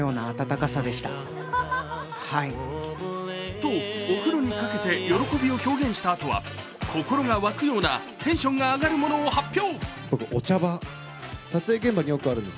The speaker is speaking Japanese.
とお風呂にかけて喜びを表現したあとは心が沸くようなテンションが上がるものを発表。